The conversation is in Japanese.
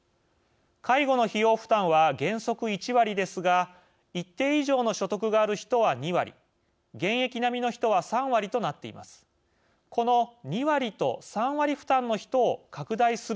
介護の費用負担は原則１割ですが一定以上の所得がある人は２割現役並みの人は３割となっています。